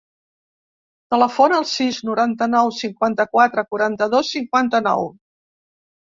Telefona al sis, noranta-nou, cinquanta-quatre, quaranta-dos, cinquanta-nou.